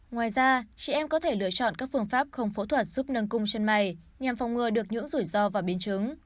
ngoài ra chị em có thể lựa chọn các phương pháp không phẫu thuật giúp nâng cung sân mày nhằm phòng ngừa được những rủi ro và biến chứng